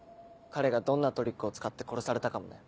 彼がどんなトリックを使って殺されたかもね。